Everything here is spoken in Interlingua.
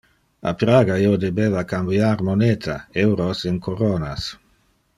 A Praga io debeva cambiar moneta, euros in coronas.